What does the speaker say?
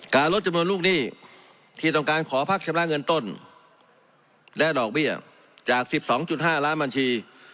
ลดจำนวนลูกหนี้ที่ต้องการขอพักชำระเงินต้นและดอกเบี้ยจาก๑๒๕ล้านบัญชี